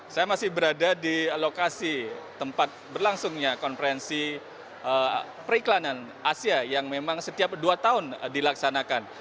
saya masih berada di lokasi tempat berlangsungnya konferensi periklanan asia yang memang setiap dua tahun dilaksanakan